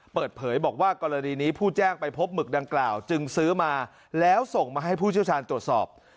เปิดเผยบอกว่ากรณีนี้ผู้แจ้งไปพบหมึกดังกล่าวจึงซื้อมาแล้วส่งมาให้ผู้เชี่ยวชาญตรวจสอบ